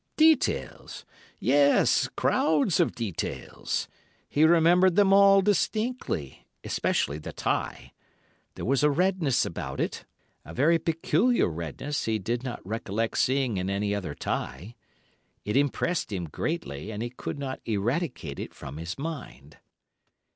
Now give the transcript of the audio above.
Details! Yes, crowds of details. He remembered them all distinctly, especially the tie. There was a redness about it—a very peculiar redness he did not recollect seeing in any other tie. It impressed him greatly, and he could not eradicate it from his mind.